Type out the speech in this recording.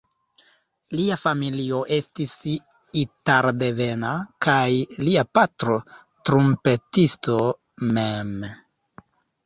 Lia familio estis italdevena kaj lia patro trumpetisto mem.